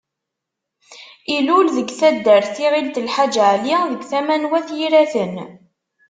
Ilul deg taddart Tiɣilt Lḥaǧ Ali, deg tama n Wat Yiraten.